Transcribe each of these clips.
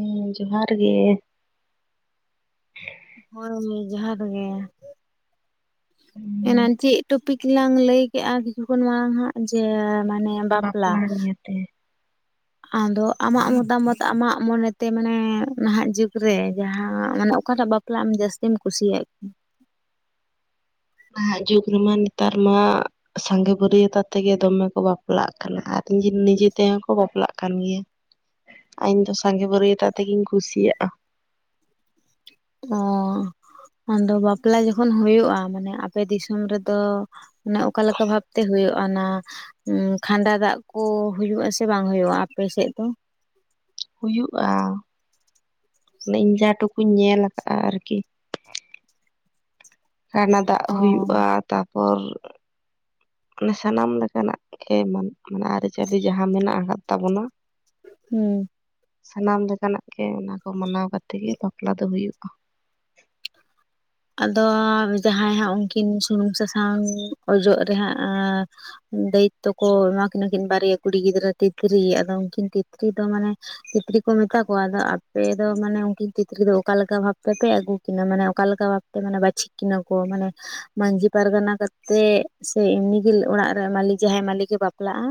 ᱦᱮᱸ ᱡᱚᱦᱟᱨ ᱜᱮ᱾ ᱦᱳᱭ ᱡᱚᱦᱟᱨ ᱜᱮ ᱾ [inaudible] ᱮᱱᱟᱱ ᱪᱮᱫ ᱴᱚᱯᱤᱠ ᱞᱟᱝ ᱞᱟᱹᱭ ᱠᱮᱫᱼᱟ ᱠᱤᱪᱷᱩ ᱠᱷᱚᱱ ᱢᱟᱲᱟᱝ ᱦᱟᱸᱜ ᱡᱮ ᱢᱟᱱᱮ ᱵᱟᱯᱞᱟ ᱱᱤᱭᱟᱹᱛᱮ ᱾ ᱟᱫᱚ ᱟᱢᱟᱜ ᱢᱚᱛᱟᱢᱚᱛ ᱟᱢᱟᱜ ᱢᱚᱱᱮᱛᱮ ᱢᱟᱱᱮ ᱱᱟᱦᱟᱜ ᱡᱩᱜᱽ ᱨᱮ ᱡᱟᱦᱟᱸ ᱢᱟᱱᱮ ᱚᱠᱟᱴᱟᱜ ᱵᱟ ᱯᱞᱟ ᱟᱢ ᱡᱟᱹᱥᱛᱤᱢ ᱠᱩᱥᱤᱭᱟᱜ ᱱᱟᱦᱟᱜ ᱡᱩᱜᱽ ᱨᱮᱢᱟ ᱱᱮᱛᱟᱨ ᱢᱟ ᱥᱟᱸᱜᱮ ᱵᱟᱹᱨᱭᱟᱹᱛ ᱟᱛᱮ ᱜᱮ ᱫᱚᱢᱮ ᱠᱚ ᱵᱟᱯᱞᱟᱜ ᱠᱟᱱᱟ ᱾ ᱟᱨ ᱱᱤᱡᱮ ᱱᱤᱡᱮ ᱛᱮᱦᱚᱸ ᱠᱚ ᱵᱟᱯᱞᱟᱜ ᱠᱟᱱ ᱜᱮᱭᱟ ᱾ ᱤᱧ ᱫᱚ ᱥᱟᱸᱜᱮ ᱵᱟᱹᱨᱭᱟᱹᱛ ᱟᱛᱮ ᱜᱤᱧ ᱠᱩᱥᱤᱭᱟᱜᱼᱟ ᱾ ᱚᱻ ᱟᱫᱚ ᱵᱟᱯᱞᱟ ᱡᱚᱠᱷᱚᱱ ᱦᱩᱭᱩᱜᱼᱟ ᱢᱟᱱᱮ ᱟᱯᱮ ᱫᱤᱥᱚᱢ ᱨᱮᱫᱚ ᱚᱱᱮ ᱚᱠᱟᱞᱮᱠᱟ ᱵᱷᱟᱵᱽᱛᱮ ᱦᱩᱭᱩᱜᱼᱟ ᱚᱱᱟ ᱩᱸ ᱠᱷᱟᱸᱰᱟ ᱫᱟᱜ ᱠᱚ ᱦᱩᱭᱩᱜᱼᱟ ᱥᱮ ᱵᱟᱝ ᱦᱩᱭᱩᱜᱼᱟ ᱟᱯᱮᱥᱮᱫ ᱫᱚ? ᱦᱩᱭᱩᱜᱼᱟ ᱾ [inaudible] ᱢᱟᱱᱮ ᱤᱧ ᱡᱟ ᱴᱩᱠᱩᱧ ᱧᱮᱞ ᱟᱠᱟᱫᱼᱟ ᱟᱨᱠᱤ ᱾ ᱠᱟᱰᱟ ᱫᱟᱜ ᱚ ᱦᱩᱭᱩᱜᱼᱟ ᱛᱟᱨᱯᱚᱨ [inaudible] ᱚᱱᱟ ᱥᱟᱱᱟᱢ ᱞᱮᱠᱟᱱᱟᱜ ᱮᱢᱚᱱ ᱢᱟᱱᱮ ᱟᱹᱨᱤᱪᱟᱹᱞᱤ ᱡᱟᱦᱟᱸ ᱢᱮᱱᱟᱜ ᱟᱠᱟᱫ ᱛᱟᱵᱚᱱᱟ ᱦᱩᱸ ᱾ ᱥᱟᱱᱟᱢ ᱞᱮᱠᱟᱱᱟᱜ ᱜᱮ ᱚᱱᱟ ᱠᱚ ᱢᱟᱱᱟᱣ ᱠᱟᱛᱮ ᱜᱮ ᱵᱟᱯᱞᱟ ᱫᱚ ᱦᱩᱭᱩᱜᱼᱟ ᱾ ᱟᱫᱚ ᱡᱟᱦᱟᱸᱭ ᱦᱟᱸᱜ ᱩᱱᱠᱤᱱ ᱥᱩᱱᱩᱢ ᱥᱟᱥᱟᱝ ᱚᱡᱚᱜ ᱨᱮ ᱦᱟᱸᱜ ᱚᱸ ᱫᱟᱭᱤᱛᱛᱚ ᱠᱚ ᱮᱢᱟ ᱠᱤᱱᱟ ᱠᱤᱱ ᱵᱟᱨᱭᱟ ᱠᱩᱲᱤ ᱜᱤᱫᱽᱨᱟᱹ ᱛᱤᱛᱨᱤ, ᱟᱫᱚ ᱩᱱᱠᱤᱱ ᱛᱤᱛᱨᱤ ᱫᱚ ᱢᱟᱱᱮ ᱛᱤᱛᱨᱤ ᱠᱚ ᱢᱮᱛᱟ ᱠᱚᱣᱟ ᱾ ᱟᱫᱚ ᱟᱯᱮ ᱫᱚ ᱢᱟᱱᱮ ᱩᱱᱠᱤᱱ ᱛᱤᱛᱨᱤ ᱫᱚ ᱚᱠᱟᱞᱮᱠᱟ ᱵᱷᱟᱵᱽ ᱛᱮᱯᱮ ᱟᱹᱜᱩ ᱠᱤᱱᱟ ᱢᱟᱱᱮ ᱚᱠᱟᱞᱮᱠᱟ ᱵᱷᱟᱵᱽ ᱢᱟᱱᱮ ᱵᱟᱪᱷᱤᱠ ᱠᱤᱱᱟᱹ ᱠᱚ ᱾ ᱢᱟᱱᱮ ᱢᱟᱺᱡᱷᱤ ᱯᱟᱨᱜᱟᱱᱟ ᱠᱟᱛᱮᱜ ᱥᱮ ᱮᱢᱱᱤ ᱜᱮ ᱚᱲᱟᱜ ᱨᱮ ᱢᱟᱹᱞᱤᱠ ᱡᱟᱦᱟᱸᱭ ᱢᱟᱹᱠᱤᱠ ᱮ ᱵᱟᱯᱞᱟᱜᱼᱟ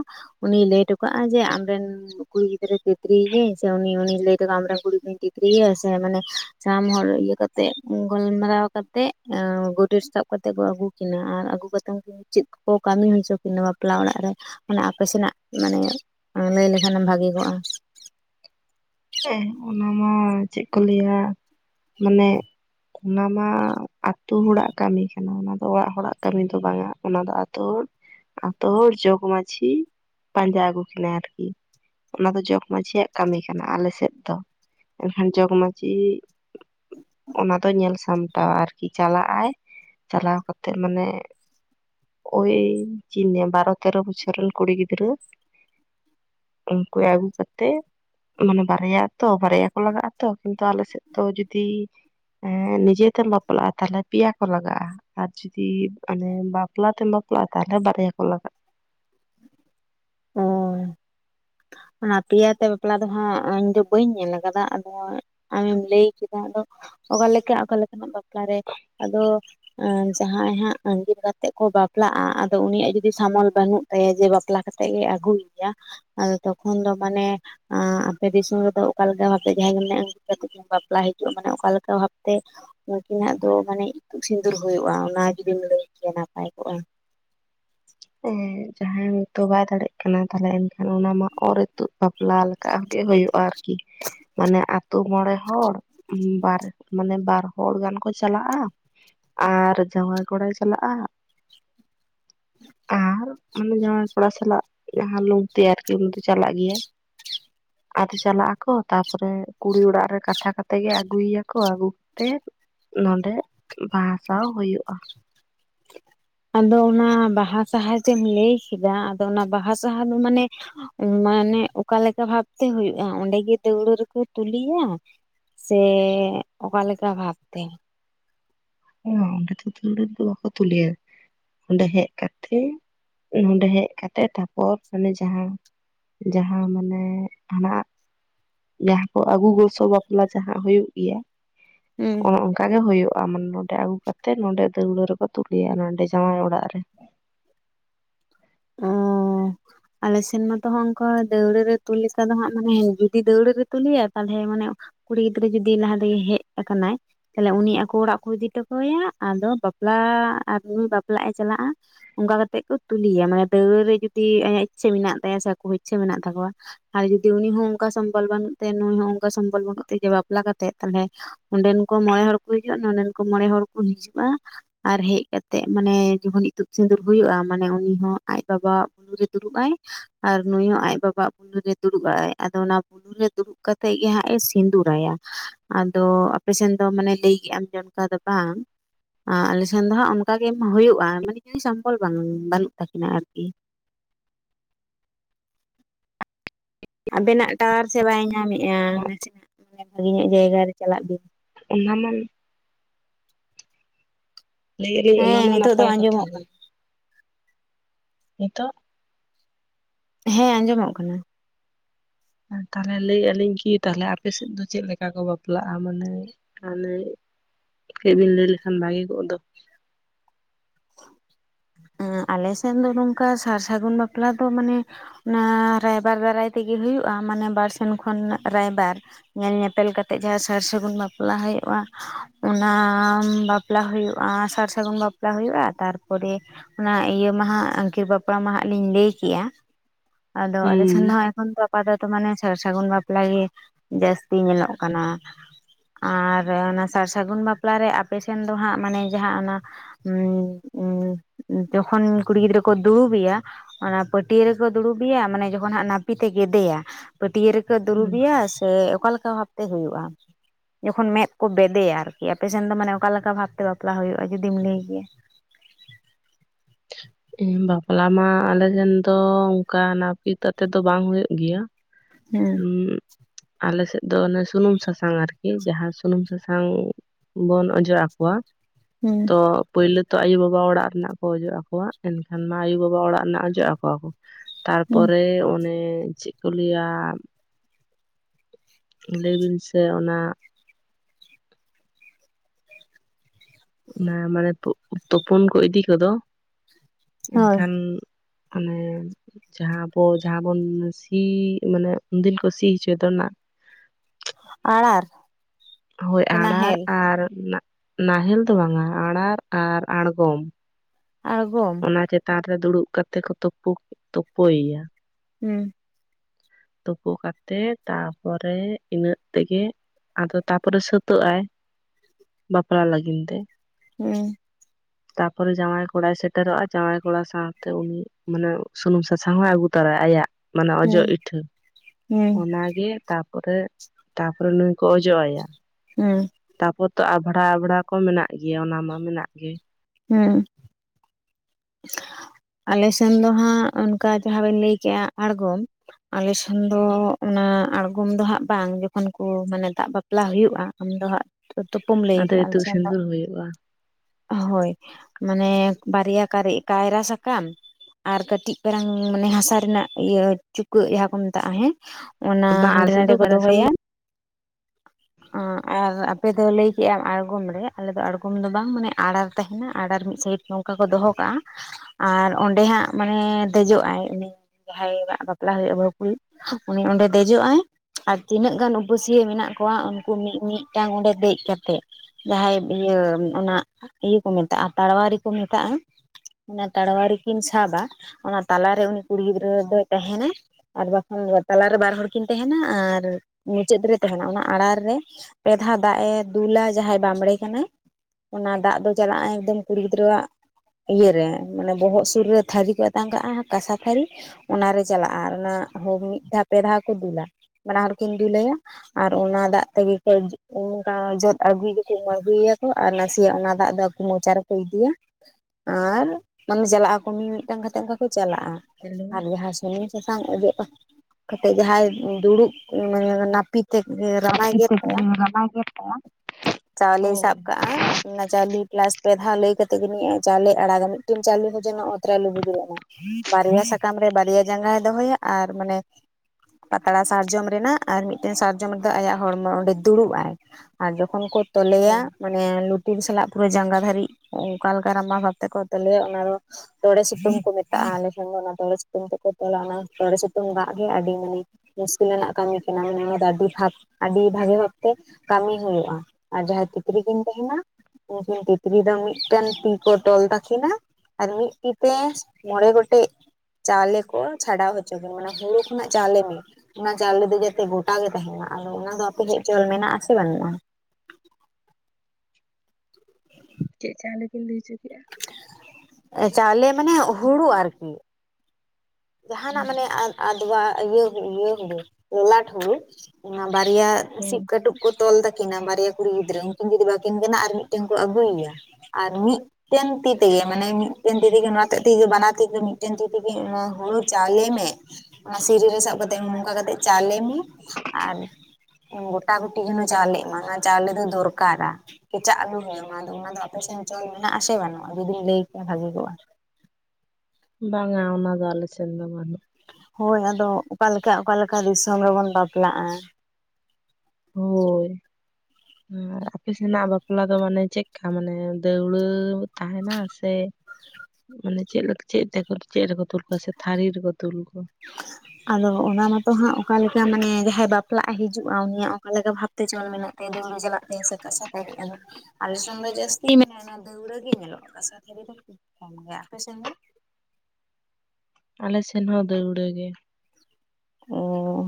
ᱩᱱᱤ ᱞᱟᱹᱭ ᱦᱚᱴᱚ ᱠᱟᱜᱼᱟ ᱡᱮ ᱟᱢᱨᱮᱱ ᱠᱩᱲᱤ ᱜᱤᱫᱽᱨᱟᱹ ᱛᱤᱛᱨᱤ ᱤᱭᱟᱹᱧ ᱥᱮ ᱩᱱᱤ ᱩᱱᱤ ᱞᱟᱹᱭ [unintelligible] ᱟᱢᱨᱮᱱ ᱠᱩᱲᱤ ᱜᱤᱫᱽᱨᱟᱹ ᱛᱤᱛᱨᱤ ᱮᱭᱟ ᱥᱮ ᱢᱟᱱᱮ ᱥᱟᱢ ᱦᱚᱲ ᱤᱭᱟᱹ ᱠᱟᱛᱮᱜ ᱜᱟᱞᱢᱟᱨᱟᱣ ᱠᱟᱛᱮᱫ ᱟ ᱜᱚᱰᱮᱛ ᱥᱟᱵ ᱠᱟᱛᱮᱫ ᱠᱚ ᱟᱹᱜᱩ ᱠᱤᱱᱟ ᱟᱨ ᱟᱹᱜᱩ ᱠᱟᱛᱮ ᱩᱱᱠᱤᱱ ᱪᱮᱫ ᱠᱚᱠᱚ ᱠᱟᱹᱢᱤ ᱦᱚᱪᱚ ᱠᱤᱱᱟ ᱵᱟᱯᱞᱟ ᱚᱲᱟᱜ ᱨᱮ ᱢᱟᱱᱮ ᱟᱯᱮ ᱥᱮᱱᱟᱜ ᱢᱟᱱᱮ ᱞᱟᱹᱭ ᱞᱮᱠᱷᱟᱱᱮᱢ ᱵᱷᱟᱹᱜᱤ ᱠᱚᱜᱼᱟ ᱾ ᱦᱮᱸ ᱚᱱᱟ ᱢᱟ ᱪᱮᱫ ᱠᱚ ᱞᱟᱹᱭᱟ [inaudible] ᱢᱟᱱᱮ ᱚᱱᱟ ᱢᱟ ᱟᱛᱳ ᱦᱚᱲᱟᱜ ᱠᱟᱹᱢᱤ ᱠᱟᱱᱟ, ᱚᱱᱟ ᱫᱚ ᱚᱲᱟᱜ ᱦᱚᱲᱟᱜ ᱠᱟᱹᱢᱤ ᱫᱚ ᱵᱟᱝᱟ ᱾ ᱚᱱᱟ ᱫᱚ ᱟᱛᱳ ᱦᱚᱲ ᱟᱛᱳ ᱦᱚᱲ ᱡᱚᱜᱽ ᱢᱟᱺᱡᱷᱤ ᱯᱟᱸᱡᱟ ᱟᱹᱜᱩ ᱠᱤᱱᱟᱭ ᱟᱨᱠᱤ ᱾ ᱚᱱᱟ ᱫᱚ ᱡᱚᱜᱽ ᱢᱟᱺᱡᱷᱤᱭᱟᱜ ᱠᱟᱹᱢᱤ ᱠᱟᱱᱟ ᱟᱞᱮ ᱥᱮᱫ ᱫᱚ [inaudible] ᱮᱱᱠᱷᱟᱱ ᱡᱚᱜᱽ ᱢᱟᱺᱡᱷᱤ ᱚᱱᱟ ᱫᱚ ᱧᱮᱞ ᱥᱟᱢᱴᱟᱣᱟ ᱟᱨᱠᱤ ᱪᱟᱞᱟᱜ ᱟᱭ ᱪᱟᱞᱟᱣ ᱠᱟᱛᱮᱜ ᱢᱟᱱᱮ ᱳᱭ ᱪᱤᱫ ᱤᱧ ᱞᱟᱹᱭᱟ ᱵᱟᱨᱚ ᱛᱮᱨᱚ ᱵᱚᱪᱷᱚᱨ ᱨᱮᱱ ᱠᱩᱲᱤ ᱜᱤᱫᱽᱨᱟᱹ ᱩᱱᱠᱩᱭ ᱟᱹᱜᱩ ᱠᱟᱛᱮ [inaudible] ᱢᱟᱱᱮ ᱵᱟᱨᱭᱟ ᱛᱚ ᱵᱟᱨᱭᱟ ᱠᱚ ᱞᱟᱜᱟᱜᱼᱟ ᱛᱚ ᱠᱤᱱᱛᱩ ᱟᱞᱮ ᱥᱮᱫ ᱫᱚ ᱡᱩᱫᱤ ᱮᱸ ᱱᱤᱡᱮ ᱛᱮᱢ ᱵᱟᱯᱞᱟᱜᱼᱟ ᱛᱟᱦᱚᱞᱮ ᱯᱮᱭᱟ ᱠᱚ ᱞᱟᱜᱟᱜᱼᱟ ᱾ ᱟᱨ ᱡᱚᱫᱤ ᱢᱟᱱᱮ ᱵᱟᱯᱞᱟ ᱛᱮᱢ ᱵᱟᱯᱞᱟᱜᱼᱟ ᱛᱟᱦᱚᱞᱮ ᱵᱟᱨᱭᱟ ᱠᱚ ᱞᱟᱜᱟᱜᱼᱟ ᱾ ᱚᱸᱻ ᱚᱱᱟ ᱯᱮᱭᱟ ᱛᱮ ᱵᱟᱯᱞᱟ ᱫᱚ ᱦᱟᱸᱜ ᱤᱧ ᱫᱚ ᱵᱟᱹᱧ ᱧᱮᱞ ᱟᱠᱟᱫᱟ ᱾ ᱟᱫᱚ ᱦᱟᱸᱜ ᱟᱢᱮᱢ ᱞᱟᱹᱭ ᱠᱮᱫᱟ ᱟᱫᱚ ᱚᱠᱟ ᱞᱮᱠᱟ ᱚᱠᱟ ᱞᱮᱠᱟᱱᱟᱜ ᱵᱟᱯᱞᱟ ᱨᱮ ᱟᱫᱚ ᱟ ᱡᱟᱦᱟᱸᱭ ᱦᱟᱸᱜ ᱟᱸᱜᱤᱨ ᱠᱟᱛᱮᱜ ᱠᱚ ᱵᱟᱯᱞᱟᱜᱼᱟ ᱟᱫᱚ ᱩᱱᱤᱭᱟᱜ ᱡᱩᱫᱤ ᱥᱟᱢᱚᱞ ᱵᱟᱹᱱᱩᱜ ᱛᱟᱭᱟ ᱡᱮ ᱵᱟᱯᱞᱟ ᱠᱟ ᱛᱮᱜ ᱜᱮ ᱟᱹᱜᱩᱭᱮᱭᱟ, ᱟᱫᱚ ᱛᱚᱠᱷᱚᱱ ᱫᱚ ᱢᱟᱱᱮ ᱟ ᱟᱯᱮ ᱫᱤᱥᱚᱢ ᱨᱮᱫᱚ ᱚᱠᱟ ᱞᱮᱠᱟ ᱵᱷᱟᱵᱽ ᱛᱮ ᱡᱟᱦᱟᱸᱭ ᱜᱮ ᱢᱟᱱᱮ ᱟᱸᱜᱤᱨ ᱠᱟᱛᱮᱜ ᱯᱮ ᱵᱟᱯᱞᱟ ᱦᱤᱡᱩᱜᱼᱟ, ᱢᱟᱱᱮ ᱚᱠᱟ ᱞᱮᱠᱟ ᱵᱷᱟᱵᱽ ᱛᱮ ᱩᱱᱠᱤᱱᱟᱜ ᱫᱚ ᱢᱟᱱᱮ ᱤᱛᱩᱫ ᱥᱤᱸᱫᱩᱨ ᱦᱩᱭᱩᱜᱼᱟ ᱚᱱᱟ ᱡᱩᱫᱤᱢ ᱞᱟᱹᱭ ᱠᱮᱭᱟ ᱱᱟᱯᱟᱭ ᱠᱚᱜᱼᱟ ᱾ ᱮ ᱡᱟᱦᱟᱸᱭ ᱱᱤᱛ ᱵᱟᱭ ᱫᱟᱲᱮᱜ ᱠᱟᱱᱟ ᱛᱟᱦᱚᱞᱮ ᱚᱱᱟ ᱢᱟ ᱚᱨ ᱤᱛᱩᱫ ᱵᱟᱯᱞᱟ ᱞᱮᱠᱟ ᱜᱮ ᱦᱩᱭᱩᱜᱼᱟ ᱟᱨᱠᱤ ᱢᱟᱱᱮ ᱟ ᱛᱩ ᱢᱚᱲᱮ ᱦᱚᱲ, ᱩᱢ ᱵᱟᱨ ᱢᱟᱱᱮ ᱵᱟᱨᱼᱼ ᱦᱚᱲ ᱜᱟᱱ ᱠᱚ ᱪᱟᱞᱟᱜ-ᱟ, ᱟᱨ ᱡᱟᱶᱟᱭ ᱠᱚᱲᱟᱭ ᱪᱟᱞᱟᱜ-ᱟ᱾ ᱟᱨ ᱢᱟᱱᱮ ᱡᱟᱶᱟᱭ ᱠᱚᱲᱟ ᱥᱟᱞᱟᱜ ᱡᱟᱦᱟᱸ ᱞᱩᱝᱛᱮ ᱟᱨ ᱠᱤ ᱩᱱᱤ ᱫᱚ ᱪᱟᱞᱟᱜ ᱜᱮᱭᱟᱭ᱾ ᱟᱫ ᱪᱟᱞᱟᱜ-ᱟ ᱠᱚ, ᱛᱟᱨᱯᱚᱨᱮ ᱠᱩᱲᱤ ᱚᱲᱟᱜ ᱨᱮ ᱠᱟᱛᱷᱟ ᱠᱟᱛᱮᱜ ᱜᱮ ᱟᱜᱩᱭ ᱭᱟᱠᱚ ᱟᱜᱩᱼᱼ ᱛᱮᱜ ᱱᱚᱸᱰᱮ ᱮ ᱵᱟᱦᱟ ᱥᱟᱶ ᱦᱳᱭᱳᱜ-ᱟ᱾ ᱟᱫᱚ ᱚᱱᱟ ᱵᱟᱦᱟ ᱥᱟᱦᱟ ᱡᱮᱢ ᱞᱟᱹᱭ ᱠᱮᱫᱟ, ᱟᱫᱚ ᱚᱱᱟ ᱵᱟᱦᱟ ᱥᱟᱦᱟ ᱫᱚ ᱢᱟᱱᱮ ᱩᱸᱻ ᱢᱟᱱᱮ ᱚᱠᱟ‌ᱞᱮᱠᱟ ᱵᱷᱟᱵᱽ ᱛᱮ ᱦᱩᱭᱩᱜ-ᱟ, ᱚᱱᱰᱮ ᱜᱮ ᱫᱟᱹᱣᱲᱟᱹ ᱨᱮᱠᱚ ᱛᱩᱞᱤᱭᱟ ᱥᱮ ᱚᱠᱟ ᱞᱮᱠᱟ ᱵᱷᱟᱵᱽ ᱛᱮ? ᱚᱻ ᱚᱸᱰᱮ ᱫᱚ ᱪᱟᱹᱶᱲᱟᱹ ᱨᱮ ᱫᱚ ᱵᱟᱠᱚ ᱛᱩᱞᱮ ᱭᱟ᱾ ᱚᱸᱰᱮ ᱦᱮᱡ ᱠᱟᱛᱮᱜ, ᱱᱚᱱᱰᱮ ᱦᱮᱡ ᱠᱟᱛᱮᱜ ᱛᱟᱨᱯᱚᱨ ᱢᱟᱱᱮ ᱡᱟᱦᱟᱸ ᱡᱟᱦᱟᱸ ᱢᱟᱱᱮ ᱦᱟᱱᱟᱜᱼᱼ ᱡᱟᱦᱟᱸ ᱠᱚ ᱟᱹᱜᱩ ᱜᱚᱥᱚ ᱵᱟᱯᱞᱟ ᱡᱟᱦᱟᱸ ᱦᱩᱭᱩᱜ ᱜᱮᱭᱟ, ᱩᱸ, ᱚᱱᱮ ᱚᱱᱠᱟ ᱜᱮ ᱦᱩᱭᱩᱜ-ᱟ, ᱢᱟᱱᱮ ᱱᱚᱸᱰᱮ ᱟᱹᱜᱩ ᱠᱟᱛᱮᱜ ᱱᱚᱸᱰᱮ ᱫᱟᱹᱣᱲᱟᱹ ᱨᱮᱠᱚ ᱛᱩᱞᱮᱭᱟ ᱱᱚᱱᱰᱮ ᱡᱟᱶᱟᱭ ᱚᱲᱟᱜ ᱨᱮ᱾ ᱚᱻ ᱟᱞᱮ ᱥᱮᱱ ᱢᱟᱛᱚ ᱚᱱᱠᱟ ᱫᱟᱹᱣᱲᱟᱹ ᱨᱮ ᱛᱩᱞ ᱞᱮᱠᱟ ᱫᱚ ᱦᱟᱸᱜ, ᱢᱟᱱᱮ ᱡᱩᱫᱤ ᱫᱟᱹᱣᱲᱟᱹ ᱨᱮ ᱛᱩᱞᱮᱭᱟ ᱛᱟᱞᱦᱮ ᱢᱟᱱᱮ ᱠᱩᱲᱤ ᱜᱤᱫᱽᱨᱟᱹ ᱡᱩᱫᱤ ᱞᱟᱦᱟ ᱨᱮᱜᱮ ᱦᱮᱡ ᱟᱠᱟᱱᱟᱭ ᱛᱟᱦᱚᱞᱮ ᱩᱱᱤ ᱟᱠᱚ ᱚᱲᱟᱜ ᱠᱚ ᱤᱫᱤ ᱴᱚ ᱠᱟᱭᱟ, ᱟᱫᱚ ᱵᱟᱯᱞᱟ ᱟᱨ ᱱᱩᱭ ᱵᱟᱯᱞᱟᱜ ᱮ ᱪᱟᱞᱟᱜ-ᱟ᱾ ᱚᱱᱠᱟ ᱠᱟᱛᱮᱜ ᱠᱚ ᱛᱩᱞᱮᱭᱟ, ᱢᱟᱱᱮ ᱫᱟᱹᱣᱲᱟᱹ ᱨᱮ ᱡᱩᱫᱤ ᱟᱭᱟᱜ ᱤᱪᱪᱷᱟᱹ ᱢᱤᱱᱟᱜ ᱛᱟᱭᱟ ᱥᱮ ᱟᱠᱚ ᱤᱪᱪᱷᱟᱹ ᱢᱮᱱᱟᱜ ᱛᱟᱠᱚᱣᱟ᱾ ᱟᱨ ᱡᱩᱫᱤ ᱩᱱᱤ ᱦᱚᱸ ᱚᱱᱠᱟ ᱥᱚᱢᱵᱚᱞ ᱵᱟᱹᱱᱩᱜ ᱟᱭᱟ ᱱᱩᱭ ᱦᱚᱸ ᱚᱱᱠᱟ ᱥᱚᱢᱵᱚᱞ ᱵᱟᱹᱱᱩᱜ ᱛᱮ ᱡᱮ ᱵᱟᱯᱞᱟ ᱠᱟᱛᱮᱜ ᱛᱟᱞᱦᱮ ᱚᱸᱰᱮᱱ ᱠᱚ ᱢᱚᱬᱮ ᱦᱚᱲ ᱠᱚ ᱦᱤᱡᱩᱜ-ᱟ, ᱱᱚᱰᱮᱱ ᱠᱚ ᱢᱚᱬᱮ ᱦᱚᱲ ᱠᱚ ᱦᱤᱡᱩᱜ-ᱟ, ᱟᱨ ᱦᱮᱡ ᱠᱟᱛᱮᱜ ᱢᱟᱱᱮ ᱡᱚᱠᱷᱚᱱ ᱤᱛᱩᱫ ᱥᱤᱸᱫᱩᱨ ᱦᱩᱭᱩᱜ-ᱟ, ᱢᱟᱱᱮ ᱩᱱᱤ ᱦᱚᱸ ᱟᱡ ᱵᱟᱵᱟ ᱣᱟᱜ ᱵᱩᱞᱩ ᱨᱮ ᱫᱩᱲᱩᱵᱼᱟᱭ, ᱟᱨ ᱱᱩᱭ ᱦᱚᱸ ᱟᱡ ᱵᱟᱵᱟᱣᱟᱜ ᱵᱩᱞᱩ ᱨᱮ ᱜᱮ ᱫᱩᱲᱩᱵ ᱟᱭ ᱟᱫᱚ ᱚᱱᱟ ᱞᱩ ᱨᱮ ᱫᱩᱲᱩᱵ ᱠᱟᱛᱮ ᱜᱮ ᱦᱟᱸᱜ ᱮ ᱥᱤᱸᱫᱩᱨᱟᱭᱟ, ᱟᱫᱚ ᱟᱯᱮ ᱥᱮᱱ ᱫᱚ ᱢᱟᱱᱮ ᱞᱟᱹᱭ ᱠᱮᱜ ᱟᱢ ᱡᱮ ᱚᱱᱠᱟ ᱫᱚᱼᱼ ᱵᱟᱝ ᱟᱸ ᱟᱞᱮ ᱥᱮᱱ ᱫᱚ ᱦᱟᱸᱜ ᱚᱱᱠᱟ ᱜᱮ ᱦᱩᱭᱩᱜ-ᱟ, ᱢᱟᱱᱮ ᱡᱩᱫᱤ ᱥᱚᱢᱵᱚᱞ ᱵᱟᱝ ᱵᱟᱱᱩᱜ ᱛᱟᱹᱠᱤᱱᱟ ᱟᱨ ᱠᱤ᱾ ᱟᱵᱮᱱᱟᱜ ᱴᱟᱣᱟᱨ ᱥᱮ ᱵᱟᱭ ᱧᱟᱢᱮᱜ-ᱟ, ᱱᱟᱥᱤ ᱱᱟᱜ ᱢᱟᱱᱮ ᱵᱷᱟᱜᱤ ᱧᱚᱜ ᱡᱟᱭᱜᱟ ᱨᱮ ᱪᱟᱞᱟᱜ ᱵᱤᱱ᱾ ᱚᱱᱟ ᱢᱟᱱ ᱞᱟᱹᱭᱮᱜ ᱟᱹᱞᱤᱧ ᱚᱱᱟ ᱦᱮᱸ ᱢᱟ ᱱᱤᱛᱚᱜ ᱫᱚ ᱱᱟᱯᱟᱭ ᱠᱟᱛᱷᱟ ᱟᱸᱡᱚᱢᱚᱜ ᱜᱮ᱾ ᱠᱟᱱᱟ ᱱᱤᱛᱚᱜ, ᱦᱮᱸ ᱟᱸᱡᱚᱢᱚᱜ ᱠᱟᱱᱟ᱾ ᱟᱨ ‌ᱛᱟᱦᱚᱞᱮ ᱞᱟᱹᱭᱮᱜ-ᱟᱹᱞᱤᱧ ᱠᱤ, ᱛᱟᱦᱚᱞᱮ ᱟᱯᱮ ᱥᱮᱫ ᱫᱚ ᱪᱮᱫ ᱞᱮᱠᱟ ᱠᱚ ᱵᱟᱯᱞᱟᱜ-ᱟ ᱢᱟᱱᱮ? ᱛᱟᱦᱚᱞᱮ ᱠᱟᱹᱡ ᱵᱤᱱ ᱞᱟᱹᱭ ᱞᱮᱠᱷᱟᱱ ᱵᱷᱟᱜᱮ ᱠᱚᱜ ᱫᱚ᱾ ᱟᱸ ᱟᱞᱮ ᱥᱮᱱ ᱫᱚ ᱱᱚᱝᱠᱟ ᱥᱟᱨ ᱥᱟᱹᱜᱩᱱ ᱵᱟᱯᱞᱟ ᱫᱚ ᱢᱟᱱᱮ ᱚᱱᱟ ᱨᱟᱭᱵᱟᱨ ᱫᱟᱨᱟᱭ ᱛᱮᱜᱮ ᱦᱩᱭᱩᱜ-ᱟ, ᱢᱟᱱᱮ ᱵᱟᱨ ᱥᱮᱱ ᱠᱷᱚᱱ ᱨᱟᱭᱵᱟᱨ᱾ ᱧᱮᱞ ᱧᱮᱯᱮᱞ ᱠᱟᱛᱮᱜ ᱡᱟᱦᱟᱸ ᱥᱟᱨ ᱥᱟᱹᱜᱩᱱ ᱵᱟᱯᱞᱟ ᱦᱩᱭᱩᱜ-ᱟ ᱚᱱᱟᱻ ᱵᱟᱞ ᱵᱟᱯᱞᱟ ᱦᱩᱭᱩᱜ-ᱟ, ᱥᱟᱨ ᱥᱟᱹᱜᱩᱱ ᱵᱟᱯᱞᱟ ᱦᱩᱭᱩᱜ-ᱟ ᱛᱟᱨᱯᱚᱨᱮ ᱚᱱᱟ ᱤᱭᱟᱹ ᱢᱟ ᱦᱟᱸᱜ ᱟᱺᱜᱤᱨ ᱵᱟᱯᱞᱟ ᱢᱟ ᱦᱟᱸᱜ ᱞᱤᱧ ᱞᱟᱹᱭ ᱠᱮᱜ-ᱟ, ᱟᱫᱚ ᱟᱞᱮ ᱦᱩᱸ ᱥᱮᱱ ᱫᱚ‌ ᱱᱚᱦᱚᱭ ᱠᱷᱚᱱ ᱫᱚ ᱟᱯᱟᱛᱚᱛᱚ ᱢᱟᱱᱮ ᱥᱟᱨ‌ ᱥᱟᱹᱜᱩᱱ ᱵᱟᱯᱞᱟ ᱜᱮ ᱡᱟᱹᱥᱛᱤ ᱧᱮᱞᱚᱜ ᱠᱟᱱᱟ᱾ ᱟᱸᱨ ᱚᱱᱟ ᱥᱟᱨ ᱥᱟᱹᱜᱩᱱ ᱵᱟᱯᱞᱟ ᱨᱮ ᱟᱯᱮ ᱥᱮᱱ ᱫᱚ ᱦᱟᱸᱜ ᱢᱟᱱᱮ, ᱡᱟᱦᱟᱸ ᱚᱱᱟ ᱩᱸ ᱩᱸ ᱩᱸ ᱡᱚᱠᱷᱚᱱ ᱠᱩᱲᱤ ᱜᱤᱫᱽᱨᱟᱹ ᱠᱚ ᱫᱩᱲᱩᱵᱮᱭᱟ ᱚᱱᱟ ᱯᱟᱹᱴᱭᱟᱹ ᱨᱮᱠᱚ ᱫᱩᱲᱩᱵᱤᱭᱟ, ᱢᱟᱱᱮ ᱡᱚᱠᱷᱚᱱ ᱦᱟᱸᱜ ᱱᱟᱯᱤᱛᱼᱮ ᱜᱮᱫᱮᱭᱟ ᱯᱟᱹᱴᱭᱟᱹ ᱨᱮᱠ ᱯᱮ ᱫᱩᱨᱩᱵᱤᱭᱟ ᱥᱮ ᱚᱠᱟ ᱞᱮᱠᱟ ᱵᱷᱟᱵᱽ ᱛᱮ ᱦᱩᱭᱩᱜ-ᱟ? ᱡᱚᱠᱷᱚᱱ ᱢᱮᱸᱫ ᱠᱚ ᱵᱮᱫᱮᱭᱟ ᱟᱨ ᱠᱤ ᱟᱯᱮ ᱥᱮᱱ ᱫᱚ ᱢᱟᱱᱮ ᱚᱠᱟ ᱞᱮᱠᱟ ᱵᱷᱟᱵᱽ ᱛᱮ ᱵᱟᱯᱞᱟ ᱦᱩᱭᱩᱜ-ᱟ ᱡᱩᱫᱤᱢ ᱞᱟᱹᱭ ᱠᱮᱭᱟ ᱩᱸ ᱵᱟᱯᱞᱟ ᱢᱟ ᱟᱞᱮ ᱥᱮᱱ ᱫᱚ ᱚᱱᱠᱟ ᱱᱟᱯᱤᱛ ᱟᱛᱮ ᱫᱚ ᱵᱟᱝ ᱦᱩᱭᱩᱜ ᱜᱮᱭᱟ᱾ ᱦᱩᱸ᱾ ᱩᱸᱜ‌ ᱟᱞᱮ ᱥᱮᱜ ᱫᱚ ᱚᱱᱮ ᱥᱩᱱᱩᱢ ᱥᱟᱥᱟᱝ ᱟᱨ ᱠᱤ ᱡᱟᱦᱟᱸ ᱥᱩᱱᱩᱢ ᱥᱟᱥᱟᱝ ᱵᱚᱱ ᱚᱡᱚᱜ ᱟᱠᱚᱣᱟ᱾ ᱦᱩᱸ᱾ ᱛᱚ ᱯᱟᱹᱭᱞᱟᱹ ᱛᱚ ᱟᱭᱩ ᱵᱟᱵᱟ ᱚᱲᱟᱜ ᱨᱮᱱᱟᱜ ᱠᱚ ᱚᱡᱚᱜ ᱟᱠᱚᱣᱟ, ᱮᱱᱠᱷᱟᱱ ᱢᱟ ᱟᱭᱳ ᱵᱟᱵᱟ ᱚᱲᱟᱜ ᱨᱮᱱᱟᱜ ᱚᱡᱚᱜ ᱟᱠᱚᱣᱟ ᱠᱚ ᱦᱮᱸ ᱛᱟᱨᱯᱚᱨᱮ ᱚᱱᱮ ᱪᱮ ᱠᱚ ᱞᱟᱭᱟ ᱞᱟᱹᱭ ᱵᱤᱱ ᱥᱮ ᱚᱱᱟ ᱚᱱᱟ ᱢᱟᱱᱮ ᱛᱳ ᱛᱳᱯᱳᱱ ᱠᱚ ᱤᱫᱤ ᱠᱚᱫᱚ ᱦᱳᱭ ᱮᱱᱠᱷᱟᱱ ᱟᱱᱮ ᱡᱟᱦᱟᱸ ᱟᱵᱚ ᱡᱟᱦᱟᱸ ᱵᱚᱱ ᱥᱤ ᱢᱟᱱᱮ ᱩᱱᱫᱤᱱ ᱠᱚ ᱥᱤ ᱦᱚᱪᱚᱭ ᱫᱟ, ᱚᱱᱟ ᱟᱨᱟᱲ? ᱦᱳᱭ ᱟᱲᱟᱲ ᱟᱨ ᱚᱱᱟ ᱱᱟᱦᱮᱞ ᱫᱚ ᱵᱟᱝᱟ ᱟᱲᱟᱨ ᱟᱨ ᱟᱲᱜᱚᱢ ᱟᱬᱜᱚᱢ ᱚᱱᱟ ᱪᱮ ᱛᱟᱱ ᱨᱮ ᱫᱩᱲᱩᱵ ᱠᱟᱛᱮ ᱠᱚ ᱛᱩᱯᱩ ᱛᱩᱯᱳᱭ ᱭᱟ᱾ ᱦᱩᱸ᱾ ᱛᱩᱯᱳ ᱠᱟᱛᱮᱫ ᱛᱟᱨᱯᱚᱨᱮ ᱤᱱᱟᱹᱜ ᱛᱮᱜᱮ ᱟᱫᱚ ᱛᱟᱨᱯᱚᱨᱮ ᱥᱟᱹᱛᱟᱹᱜ ᱟᱭ ᱵᱟᱯᱞᱟ ᱞᱟᱹᱜᱤᱱ ᱛᱮ ᱦᱮᱸ᱾ ᱛᱟᱯᱚᱨᱮ ᱡᱟᱶᱟᱭ ᱠᱚᱲᱟᱭ ᱥᱮᱴᱮᱨᱚᱜᱼᱟ ᱡᱟᱶᱟᱭ ᱠᱚᱲᱟ ᱥᱟᱶᱛᱮ ᱩᱱᱤ ᱢᱟᱱᱮ ᱥᱩᱱᱩᱢ ᱥᱟᱥᱟᱝ ᱦᱚᱸᱭ ᱟᱹᱜᱩ ᱛᱟᱨᱟᱭᱟ ᱟᱭᱟᱜ, ᱢᱟᱱᱮ ᱚᱡᱚᱜ ᱦᱩᱸ ᱤᱴᱷᱟᱹ ᱦᱩᱸ ᱚᱱᱟᱜᱮ ᱛᱟᱨᱯᱚᱨᱮ ᱛᱟᱨᱯᱚᱨᱮ ᱱᱩᱭ ᱠᱚ ᱚᱡᱚᱜ ᱟᱭᱟ, ᱦᱩᱸ᱾ ᱛᱟᱯᱚᱨ ᱛᱚ ᱟᱵᱲᱟ ᱟᱵᱲᱟ ᱠᱚ ᱢᱮᱱᱟᱜ ᱜᱮᱭᱟ ᱚᱱᱟ ᱢᱟ ᱢᱮᱱᱟᱜ ᱜᱮ᱾ ᱦᱩᱸ᱾ ᱟᱞᱮ ᱥᱮᱱ ᱫᱚ ᱦᱟᱸᱜ ᱚᱱᱠᱟ ᱡᱟᱦᱟᱸ ᱵᱮᱱ ᱞᱟᱹᱭ ᱠᱮᱜᱼᱟ ᱟᱬᱜᱚᱢ, ᱟᱞᱮᱥᱱ ᱫᱚ ᱚᱱᱟ ᱟᱬᱜᱚᱢ ᱫᱚ ᱦᱟᱸᱜ ᱵᱟᱝ ᱡᱚᱠᱷᱚᱱ ᱠᱚ ᱢᱟᱱᱮ ᱫᱟᱜ ᱵᱟᱯᱞᱟ ᱦᱩᱭᱩᱜᱼᱟ ᱟᱢ ᱫᱚ ᱦᱟᱸᱜ ᱛᱩᱯᱩᱢ ᱞᱟᱹᱭ ᱟᱫᱚ ᱠᱟᱜᱼᱟ, ᱟᱞᱮ ᱤᱛᱩᱫ ᱥᱮᱫ ᱫᱚ ᱥᱤᱸᱫᱩᱨ ᱦᱩᱭᱩᱜᱼᱟ ᱦᱚᱭ, ᱢᱟᱱᱮ ᱵᱟᱨᱭᱟ ᱠᱟᱨᱮ ᱠᱟᱭᱨᱟ ᱥᱟᱠᱟᱢ ᱟᱨ ᱠᱟᱹᱴᱤᱡ ᱯᱮᱲᱟᱝ ᱢᱟᱱᱮ ᱦᱟᱥᱟ ᱨᱮᱱᱟᱜ ᱤᱭᱟᱹ ᱪᱩᱠᱟᱹᱜ ᱡᱟᱦᱟᱸ ᱠᱚ ᱢᱮᱛᱟᱜᱼᱟ ᱦᱮᱸ ᱚᱱᱟ ᱵᱟ ᱦᱟᱸᱰᱮ ᱟᱞᱮ ᱥᱮᱫ ᱱᱟᱰᱮ ᱫᱚ ᱠᱚ ᱜᱟᱨᱟᱥᱟᱢ ᱫᱚᱦᱚᱭᱟ, ᱫᱚ ᱟᱨ ᱟᱯᱮ ᱫᱚ ᱞᱟᱹᱭ ᱠᱮᱫᱼᱟᱢ ᱟᱬᱜᱚᱢ ᱨᱮ ᱟᱞᱮᱫ ᱫᱚ ᱟᱬᱜᱚᱢ ᱫᱚ ᱵᱟᱝ ᱢᱟᱱᱮ ᱟᱲᱟᱲ ᱛᱟᱦᱮᱸᱱᱟ ᱟᱲᱟᱲ ᱢᱤᱫ ᱥᱟᱭᱤᱰ ᱱᱚᱝᱠᱟ ᱠᱚ ᱫᱚᱦᱚ ᱠᱟᱜᱼᱟ, ᱟᱨ ᱚᱸᱰᱮ ᱦᱟᱸᱜ ᱢᱟᱱᱮ ᱫᱮᱡᱚᱜᱼᱟᱭ ᱩᱱᱤ ᱡᱟᱦᱟᱸᱭ ᱫᱟᱜ ᱵᱟᱯᱞᱟ ᱦᱩᱭᱩᱜᱼᱟ ᱵᱟᱦᱩ ᱠᱩᱲᱤ ᱩᱱᱤ ᱚᱸᱰᱮ ᱫᱮᱡᱚᱜᱼᱟᱭ, ᱟᱨ ᱛᱤᱱᱟᱹᱜ ᱜᱟᱱ ᱩᱯᱟᱹᱥᱤᱭᱟᱹ ᱢᱮᱱᱟᱜ ᱠᱚᱣᱟ ᱩᱝᱠᱩ ᱢᱤᱫ ᱢᱤᱫ ᱴᱟᱝ ᱚᱸᱰᱮ ᱫᱮᱡ ᱠᱟᱛᱮᱜ ᱡᱟᱦᱟᱸᱭ ᱤᱭᱟᱹ ᱚᱱᱟ ᱤᱭᱟᱹ ᱠᱚ ᱢᱮᱛᱟᱜᱼᱟ ᱛᱟᱲᱣᱟᱨᱤ ᱠᱚ ᱢᱮᱛᱟᱜᱼᱟ, ᱚᱱᱟ ᱛᱟᱲᱣᱟ ᱨᱤᱠᱤᱱ ᱥᱟᱵᱟ ᱚᱱᱟ ᱛᱟᱞᱟᱨᱮ ᱩᱱᱤ ᱠᱩᱲᱤ ᱜᱤᱫᱽᱨᱟᱹ ᱫᱚᱭ ᱛᱟᱦᱮᱸᱱᱟᱭ, ᱟᱨ ᱵᱟᱠᱷᱟᱱ ᱛᱟᱞᱟᱨᱮ ᱵᱟᱨ ᱦᱚᱲ ᱠᱤᱱ ᱛᱟᱦᱮᱸᱱᱟ ᱟᱨ ᱢᱩᱪᱟᱹᱫ ᱨᱮ ᱛᱟᱦᱮᱸᱱᱟ ᱚᱱᱟ ᱟᱲᱟ ᱨᱮ, ᱯᱮ ᱫᱷᱟᱣ ᱫᱟᱜ ᱮ ᱫᱩᱞᱟ ᱡᱟᱦᱟᱸᱭ ᱵᱟᱢᱲᱮ ᱠᱟᱱᱟᱭ ᱚᱱᱟ ᱫᱟᱜ ᱫᱚ ᱪᱟᱞᱟᱜᱼᱟ ᱮᱠᱫᱚᱢ ᱠᱩᱲᱤ ᱜᱤᱫᱽᱨᱟᱹᱣᱟ ᱤᱭᱟᱹ ᱨᱮ ᱢᱟᱱᱮ ᱵᱚᱦᱚᱜ ᱥᱩᱨ ᱨᱮ ᱛᱷᱟᱹᱨᱤ ᱠᱚ ᱟᱛᱟᱝ ᱠᱟᱜᱼᱟ ᱠᱟᱸᱥᱟ ᱛᱷᱟᱹᱨᱤ ᱚᱱᱟ ᱨᱮ ᱪᱟᱞᱟᱜᱼᱟ, ᱟᱨ ᱚᱱᱟ ᱦᱚᱸ ᱢᱤᱫ ᱫᱷᱟᱣ ᱯᱮ ᱫᱷᱟᱣ ᱠᱚ ᱫᱩᱞᱟ ᱵᱟᱱᱟ ᱦᱚᱲ ᱠᱤᱱ ᱫᱩᱞ ᱟᱭᱟ, ᱟᱨ ᱚᱱᱟ ᱫᱟᱜ ᱛᱮᱜᱮ ᱠᱚ ᱚᱱᱠᱟ ᱡᱚᱫ ᱟᱹᱜᱩᱭᱟ ᱠᱚ ᱢᱟᱜᱩᱭᱟ ᱠᱚ ᱟᱨ ᱱᱟᱥᱮᱭᱟᱜ ᱚᱱᱟ ᱫᱟᱜ ᱫᱚ ᱟᱠᱚ ᱢᱚᱪᱟ ᱨᱮᱠᱚ ᱤᱫᱤᱭᱟ᱾ ᱟᱨ ᱢᱟᱱᱮ ᱪᱟᱞᱟᱜ ᱟᱠᱚ ᱢᱤᱫ ᱢᱤᱫᱴᱟᱝ ᱠᱟᱛᱮ ᱚᱱᱠᱟ ᱠᱚ ᱪᱟᱞᱟᱜ-ᱟ, ᱟᱨ ᱦᱮᱞᱳ ᱡᱟᱦᱟᱸ [unintelligible] ᱥᱟᱥᱟᱝ ᱚᱡᱚᱜ ᱠᱟ ᱠᱟᱛᱮᱫ ᱡᱟᱦᱟᱸᱭ ᱫᱩᱲᱩᱵ ᱢᱟᱱᱮ ᱱᱟᱹᱯᱤᱛ ᱛᱮ ᱨᱟ- ᱢᱟᱭ ᱜᱮᱫ ᱛᱟᱭᱟ ᱪᱟᱣᱞᱮ ᱥᱟᱵ ᱦᱳᱭ ᱠᱟᱜ-ᱟ ᱚᱱᱟ ᱪᱟᱣᱞᱮ ᱯᱞᱟᱥ ᱯᱮ ᱫᱷᱟᱣ ᱞᱟᱹᱭ ᱠᱟᱛᱮ ᱡᱮᱢᱱᱤ ᱪᱟᱣᱞᱮ ᱟᱲᱟᱜᱟ ᱢᱤᱫᱴᱟᱝ ᱪᱟᱣᱞᱮ ᱦᱚᱸ ᱡᱮᱱᱚ ᱚᱛᱨᱮ ᱟᱞᱳ ᱵᱩᱡᱩᱨᱜ-ᱟ᱾ ᱵᱟᱨᱭᱟ ᱥᱟᱠᱟᱢ ᱨᱮ ᱵᱟᱨᱭᱟ ᱡᱟᱸᱜᱟᱭ ᱫᱚᱦᱚᱭᱟ ᱟᱨ ᱢᱟᱱᱮ ᱯᱟᱛᱲᱟ ᱥᱟᱨᱡᱚᱢ ᱨᱮᱱᱟᱜ ᱟᱨ ᱢᱤᱫᱴᱟᱝ ᱥᱟᱨᱡᱚᱢ ᱨᱮᱫᱚ ᱟᱭᱟᱜ ᱦᱚᱲᱢᱚ ᱚᱸᱰᱮ ᱫᱩᱲᱩᱵ-ᱟᱭ᱾ ᱟᱨ ᱡᱚᱠᱷᱚᱱ ᱠᱚ ᱛᱚᱞᱮᱭᱟ ᱦᱳᱭ ᱢᱟᱱᱮ ᱞᱩ- ᱛᱩᱨ ᱥᱟᱞᱟᱜ ᱯᱩᱨᱟᱹ ᱡᱟᱸᱜᱟ ᱫᱷᱟᱹᱨᱤᱡ ᱚᱱᱠᱟ ᱞᱮᱠᱟ ᱨᱟᱢᱟ ᱵᱷᱟᱵ ᱛᱮ ᱠᱚ ᱛᱟᱞᱮᱭᱟ ᱚᱱᱟ ᱫᱚ᱾ ᱛᱚᱲᱮ ᱥᱩᱛᱟᱹᱢ ᱠᱚ ᱢᱮᱛᱟᱜ-ᱟ ᱟᱞᱮ ᱴᱷᱮᱱ ᱫᱚ ᱚᱱᱟ ᱛᱚᱲᱮ ᱥᱩᱛᱟᱹᱢ ᱛᱮᱠᱚ ᱛᱚᱞᱟ ᱚᱱᱟ ᱛᱚᱲᱮ ᱥᱩᱛᱟᱹᱢ ᱜᱟᱜ ᱜᱮ ᱟᱹᱰᱤ ᱢᱟᱱᱮ ᱢᱩᱥᱠᱩ ᱞᱮᱱᱟᱜ ᱠᱟᱹᱢᱤ ᱠᱟᱱᱟ ᱢᱟᱱᱮ ᱚᱱᱟ ᱫᱚ ᱟᱹᱰᱤ ᱵᱷᱟᱵ ᱟᱹᱰᱤ ᱵᱷᱟᱜᱤ ᱵᱷᱟᱵ ᱛᱮ᱾ ᱠᱟᱹᱢᱤ ᱦᱩᱭᱩᱜ-ᱟ, ᱟᱨ ᱡᱟᱦᱟᱸᱭ ᱛᱤᱛᱨᱤ ᱠᱤᱱ ᱛᱟᱦᱮᱱᱟ ᱩᱱᱠᱤᱱ ᱛᱤᱛᱨᱤ ᱫᱚ ᱢᱤᱫᱴᱮᱱ ᱛᱤ ᱠᱚ ᱛᱚᱞ ᱛᱟᱹᱠᱤᱱᱟ᱾ ᱟᱨ ᱢᱤᱫ ᱛᱤ ᱛᱮ ᱢᱚᱬᱮ ᱜᱚᱴᱮᱡ ᱪᱟᱣᱞᱮ ᱠᱚ ᱪᱷᱟᱰᱟᱣ ᱦᱚᱪᱚ ᱵᱤᱱ ᱢᱟᱱᱮ ᱦᱳᱲᱳ ᱠᱷᱚᱱᱟᱜ ᱪᱟᱣᱞᱮ ᱢᱮ᱾ ᱚᱱᱟ ᱪᱟᱣᱞᱮ ᱫᱚ ᱡᱟᱛᱮ ᱜᱚᱴᱟ ᱜᱮ ᱛᱟᱦᱮᱱᱟ ᱟᱞᱚ ᱚᱱᱟ ᱫᱚ ᱟᱯᱮ ᱪᱮᱫ ᱪᱚᱞ ᱢᱮᱱᱟᱜ-ᱟ ᱥᱮ ᱵᱟᱹᱱᱩᱜ-ᱟ? ᱪᱮᱫ ᱪᱟᱣᱞᱮ ᱵᱤᱱ ᱞᱟᱹᱭ ᱦᱚᱪᱚ ᱠᱮᱫ-ᱟ? ᱪᱟᱣᱞᱮ ᱢᱟᱱᱮ ᱦᱩᱲᱩ ᱟᱨᱠᱤ᱾ ᱡᱟᱦᱟᱱᱟᱜ ᱦᱩᱸ ᱢᱟᱱᱮ ᱟᱫᱽᱣᱟ ᱤᱭᱟᱹ ᱦᱩᱲᱩ ᱤᱭᱟᱹ ᱦᱩᱲᱩ ᱞᱚᱞᱟᱴ ᱦᱩᱲᱩ ᱚᱱᱟ ᱵᱟᱨᱭᱟ ᱦᱳᱭ ᱥᱤᱵ ᱠᱟᱹᱴᱩᱵ ᱠᱚ ᱛᱚᱞ ᱛᱟᱹᱠᱤᱱᱟ ᱵᱟᱨᱭᱟ ᱠᱩᱲᱤ ᱜᱤᱫᱽᱨᱟᱹ ᱩᱱᱠᱤᱱ ᱡᱩᱫᱤ ᱵᱟᱹᱠᱤᱱ ᱵᱮᱱᱟ-ᱟ ᱟᱨ ᱢᱤᱫᱴᱮᱱ ᱠᱚ ᱟᱹᱜᱩᱭ ᱮᱭᱟ᱾ ᱟᱨ ᱢᱤᱫ ᱢᱤᱫᱴᱮᱱ ᱛᱤ ᱛᱮᱜᱮ ᱢᱟᱱᱮ ᱢᱤᱫᱴᱮᱱ ᱛᱤ ᱛᱮᱜᱮ ᱱᱚᱣᱟᱴᱟᱜ ᱛᱤ ᱛᱮᱜᱮ ᱵᱟᱱᱟᱨ ᱛᱤᱛᱮ ᱢᱤᱫᱴᱮᱱ ᱛᱤ ᱛᱮᱜᱮ ᱚᱱᱟ ᱦᱩᱲᱩ ᱪᱟᱣᱞᱮ ᱢᱮ᱾ ᱚᱱᱟ ᱥᱤᱨᱤ ᱨᱮ ᱥᱟᱵ ᱠᱟᱛᱮᱜ ᱱᱚᱝᱠᱟ ᱠᱟᱛᱮᱜ ᱪᱟᱣᱞᱮ ᱢᱮ, ᱟᱨ ᱜᱚᱴᱟ ᱜᱩᱴᱤ ᱡᱮᱱᱚ ᱪᱟᱣᱞᱮ ᱢᱟ ᱚᱱᱟ ᱪᱟᱣᱞᱮ ᱫᱚ ᱫᱚᱨᱠᱟᱨᱟ᱾ ᱠᱮᱪᱟᱜ ᱟᱹᱞᱩ ᱢᱮ ᱚᱱᱟ ᱚᱱᱟ ᱫᱚ ᱟᱯᱮ ᱥᱮᱱ ᱪᱚᱝ ᱢᱮᱱᱟᱜ ᱟᱥᱮ ᱵᱟᱹᱱᱩᱜ-ᱟ ᱡᱩᱫᱤᱢ ᱞᱟᱹᱭ ᱠᱮᱟ ᱵᱷᱟᱜᱤ ᱠᱚᱜ-ᱟ? ᱵᱟᱝᱜ-ᱟ ᱚᱱᱟ ᱫᱚ ᱟᱞᱮ ᱥᱮᱱ ᱫᱚ ᱵᱟᱱᱩᱜ ᱦᱳᱭ ᱟᱫᱚ ᱚᱠᱟ ᱞᱮᱠᱟ ᱚᱠᱟ ᱞᱮᱠᱟ ᱫᱤᱥᱚᱢ ᱨᱮᱵᱚᱱ ᱵᱟᱯᱞᱟᱜ-ᱟ᱾ ᱦᱳᱭ [inaudible] ᱟᱨ ᱟᱯᱮ ᱥᱮᱱᱟᱜ ᱵᱟᱯᱞᱟ ᱫᱚ ᱢᱟᱱᱮ ᱪᱮᱫᱠᱟ ᱢᱟᱱᱮ ᱫᱟᱹᱣᱲᱟᱹ ᱛᱟᱦᱮᱱᱟ ᱥᱮ ᱢᱟᱱᱮ ᱪᱮᱫ ᱞᱮᱠᱟ ᱪᱮᱫ ᱛᱮᱠᱚ ᱪᱮᱫ ᱨᱮᱠᱚ ᱛᱩᱞ ᱠᱚᱣᱟ ᱥᱮ ᱛᱷᱟᱹᱨᱤ ᱨᱮᱠᱚ ᱛᱩᱞ ᱠᱚᱣᱟ? ᱟᱫᱚ ᱚᱱᱟ ᱢᱟᱛᱚ ᱦᱟᱸᱜ ᱚᱠᱟ ᱞᱮᱠᱟ ᱢᱟᱱᱮ ᱡᱟᱦᱟᱸᱭ ᱵᱟᱯᱞᱟᱜ ᱮ ᱦᱤᱡᱩᱜ-ᱟ ᱩᱱᱤᱭᱟᱜ ᱚᱠᱟ ᱞᱮᱠᱟ ᱵᱟᱵ- ᱛᱮ ᱪᱚᱞ ᱢᱮᱱᱟᱜ ᱛᱟᱭ ᱫᱟᱹᱣᱲᱟᱹ ᱪᱟᱞᱟᱜ ᱛᱮ ᱥᱮ [inaudible] ᱟᱞᱮ ᱥᱮᱱ ᱫᱚ ᱡᱟᱹᱥᱛᱤ ᱢᱮᱱᱟᱜ-ᱟ᱾ ᱫᱟᱹᱣᱲᱟᱹ ᱜᱮ ᱧᱮᱞᱚᱜ-ᱟ ᱠᱟᱥᱟ ᱛᱷᱟᱹᱨᱤ ᱫᱚ ᱠᱷᱩᱵ ᱠᱚᱢ ᱜᱮ᱾ ᱟᱯᱮ ᱥᱮᱱ ᱫᱚ? ᱟᱞᱮ ᱥᱮᱱ ᱦᱚᱸ ᱫᱟᱹᱣᱲᱟᱹ ᱜᱮ᱾ ᱳᱻ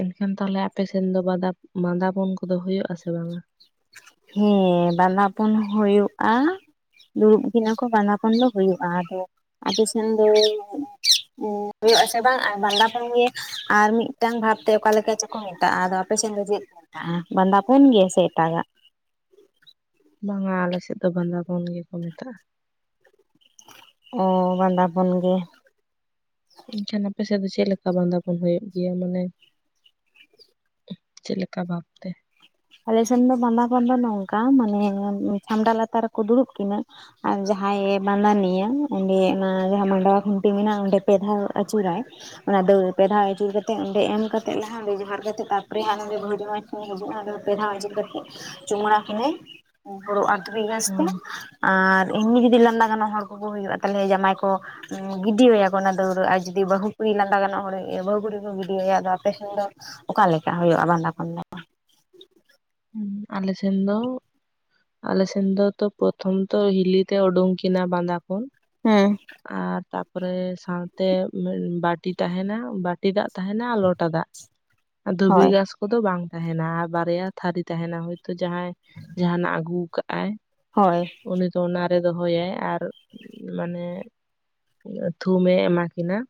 ᱮᱱᱠᱷᱟᱱ ᱛᱟᱦᱚᱞᱮ ᱟᱯᱮ ᱥᱮᱱ ᱫᱚ ᱵᱟᱫᱟ ᱵᱟᱸᱫᱟ ᱯᱚᱱ ᱠᱚᱫᱚ ᱦᱩᱭᱩᱜ-ᱟ ᱥᱮ ᱵᱟᱝᱟ? ᱦᱮᱸ ᱵᱟᱸᱫᱟ ᱯᱚᱱ ᱦᱩᱭᱩᱜᱼᱟ᱾ ᱫᱩᱲᱩᱵ ᱠᱤᱱᱟ ᱠᱚ ᱵᱟᱸᱫᱟ ᱯᱚᱱ ᱫᱚ ᱦᱩᱭᱩᱜ-ᱟ ᱟᱫᱚ ᱟᱯᱮ ᱥᱮᱱ ᱫᱚ ᱚᱱᱮ ᱦᱩᱭᱩᱜ-ᱟ ᱥᱮ ᱵᱟᱝ ᱟᱨ ᱵᱟᱸᱫᱟ ᱯᱚᱱ ᱜᱮ ᱟᱨ ᱢᱤᱫᱴᱟᱝ ᱵᱷᱟᱵ ᱛᱮ ᱚᱠᱟᱞᱮᱠᱟ ᱪᱚᱝ- ᱠᱚ ᱢᱮᱛᱟᱜ-ᱟ ᱟᱫᱚ ᱟᱯᱮ ᱥᱮᱫ ᱫᱚ ᱪᱮᱫ ᱠᱚᱟᱜ-ᱟ ᱵᱟᱸᱫᱟ ᱯᱚᱱ ᱜᱮ ᱥᱮ ᱮᱴᱟᱜᱟᱜ? ᱵᱟᱝᱟ ᱟᱞᱮ ᱥᱮᱫ ᱫᱚ ᱵᱟᱸᱫᱟ ᱯᱚᱱ ᱜᱮᱠᱚ ᱢᱮᱛᱟᱜ-ᱟ? ᱚᱻ ᱵᱟᱸᱫᱟ ᱵᱚᱱ ᱜᱮ᱾ ᱮᱱᱠᱷᱟᱱ ᱟᱯᱮ ᱥᱮᱫ ᱫᱚ ᱪᱮᱫ ᱞᱮᱠᱟ ᱵᱟᱸᱫᱟ ᱯᱚᱱ ᱦᱩᱭᱩᱜ ᱜᱮᱭᱟ᱾ ᱢᱟᱱᱮ ᱪᱮᱫ ᱞᱮᱠᱟ ᱵᱷᱟᱵᱛᱮ ᱟᱞᱮ ᱥᱮᱱ ᱫᱚ ᱵᱟᱸᱫᱟ ᱯᱚᱱ ᱫᱚ ᱱᱚᱝᱠᱟ ᱢᱟᱱᱮ ᱪᱷᱟᱢᱰᱟ ᱞᱟᱛᱟᱨ ᱨᱮᱠᱚ ᱫᱩᱲᱩᱵ ᱠᱤᱱᱟᱹ ᱟᱨ ᱡᱟᱦᱟᱸᱭᱮ ᱵᱟᱸᱫᱟᱱᱤᱭᱟ ᱚᱸᱰᱮ ᱚᱱᱟ ᱡᱟᱦᱟᱸ ᱢᱟᱰᱣᱟ ᱠᱷᱩᱱᱴᱤ ᱢᱮᱱᱟᱜᱼᱟ ᱚᱸᱰᱮ ᱯᱮ ᱫᱷᱟᱣ ᱟᱹᱪᱩᱨᱟᱭ᱾ ᱚᱱᱟ ᱫᱟᱹᱣ ᱯᱮ ᱫᱷᱟᱣ ᱟᱹᱪᱩᱨ ᱠᱟᱛᱮᱫ ᱚᱸᱰᱮ ᱮᱢ ᱠᱟᱛᱮᱫ ᱞᱟᱦᱟ ᱚᱸᱰᱮ ᱡᱚᱦᱟᱨ ᱠᱟᱛᱮᱫ ᱛᱟᱨᱯᱚᱨᱮ ᱦᱟᱸᱜ ᱱᱚᱰᱮ ᱵᱦᱩ-ᱡᱟᱶᱟᱭ ᱴᱷᱮᱱᱮ ᱦᱤᱡᱩᱜᱼᱟ ᱟᱫᱚ ᱯᱮ ᱫᱷᱟᱣ ᱟᱪᱩᱨ ᱠᱟᱛᱮᱫᱜ ᱪᱩᱢᱟᱹᱲᱟ ᱠᱤᱱᱟᱹᱭ ᱦᱩᱲᱩ ᱟᱨ ᱫᱩᱵᱤ ᱜᱷᱟᱸᱥ ᱚ ᱛᱮ᱾ ᱟᱨ ᱮᱢᱱᱤ ᱡᱩᱫᱤ ᱞᱟᱸᱫᱟ ᱜᱟᱱᱚᱜ ᱦᱚᱲ ᱠᱚᱠᱚ ᱦᱩᱭᱩᱜᱼᱟ ᱛᱟᱞᱦᱮ ᱡᱟᱢᱟᱭ ᱠᱚ ᱩᱸ ᱜᱤᱰᱤᱣᱟᱭᱭᱟ ᱠᱚ ᱚᱱᱟ ᱫᱟᱹᱣᱲᱟᱹ ᱟᱨ ᱡᱩᱫᱤ ᱵᱟᱹᱦᱩ ᱠᱩᱲᱤ ᱞᱟᱸᱫᱟ ᱜᱟᱱᱚᱜ ᱦᱚᱲ ᱮ ᱦᱩᱭᱩᱜ ᱵᱟᱹᱦᱩ ᱠᱩᱲᱤ ᱠᱚ ᱜᱤᱰᱤ ᱟᱭᱟ ᱟᱫᱚ ᱟᱯᱮ ᱥᱮᱱ ᱫᱚ ᱚᱠᱟᱞᱮᱠᱟ ᱦᱩᱭᱩᱜ-ᱟ ᱵᱟᱸᱫᱟ ᱯᱚᱱ ᱫᱚ? ᱟᱞᱮ ᱥᱮᱱ ᱫᱚ ᱟᱞ ᱥᱮᱱ ᱫᱚ ᱛᱚ ᱯᱨᱚᱛᱷᱚᱢ ᱛᱚ ᱦᱤᱞᱤ ᱛᱮ ᱩᱰᱩᱝ ᱠᱤᱱᱟ ᱵᱟᱸᱫᱟ ᱯᱚᱱ᱾ ᱦᱩᱸ᱾ ᱟᱨ ᱛᱟᱯᱚᱨᱮ ᱥᱟᱶᱛᱮ ᱩᱱᱟᱹᱜ ᱵᱟᱴ ᱴᱤ ᱛᱟᱦᱮᱱᱟ, ᱵᱟᱴᱤ ᱫᱟᱜ ᱛᱟᱦᱮᱱᱟ ᱟᱨ ᱞᱚᱴᱟ ᱫᱟᱜ ᱟᱨ ᱫᱷᱩᱵᱤ ᱦᱳᱭ ᱜᱷᱟᱥ ᱠᱚᱫᱚ ᱵᱟᱝ ᱛᱟᱦᱮᱱᱟ ᱟᱨ ᱵᱟᱨᱭᱟ ᱛᱷᱟᱹᱨᱤ ᱛᱟᱦᱮᱱᱟ ᱦᱚᱭᱛᱳ ᱡᱟᱦᱟᱸᱭ ᱡᱟᱦᱟᱱᱟᱜ ᱟᱹᱜᱩᱣ ᱠᱟ-ᱟᱭ᱾ ᱦᱳᱭ᱾ ᱩᱱᱤ ᱫᱚ ᱚᱱᱟᱨᱮ ᱫᱚᱦᱚᱭᱟᱭ ᱟᱨ ᱢᱟᱱᱮ ᱛᱷᱩᱢᱮ ᱮᱢᱟ ᱠᱤᱱᱟ᱾